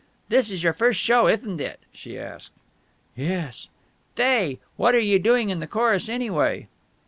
"This is your first show, ithn't it?" she asked. "Yes." "Thay, what are you doing in the chorus, anyway?"